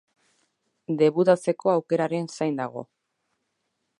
Debutatzeko aukerarain zain dago.